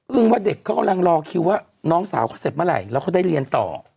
ว่าเด็กเขากำลังรอคิวว่าน้องสาวเขาเสร็จเมื่อไหร่แล้วเขาได้เรียนต่อ